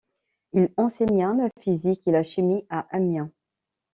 Il enseigna la physique et la chimie à Amiens.